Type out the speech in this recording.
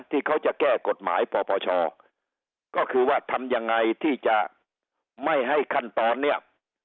ที่เขาจะแก้กฎหมายปปชก็คือว่าทำยังไงที่จะไม่ให้ขั้นตอนเนี่ย